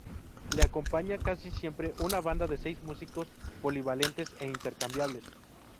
Le acompaña casi siempre una banda de seis músicos polivalentes e intercambiables.